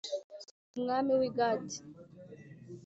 Umwami w i gati